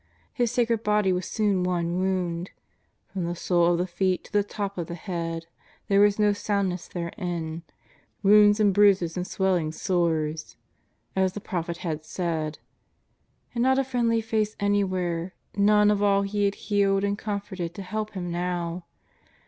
His sacred body was soon one wound ;" from the sole of the foot to the top of the lioad there was no soundness therein, wounds and bruises and swelling sores," as the prophet had said. And not a friendly face anywhere, none of all He had healed and comforted to help Him now!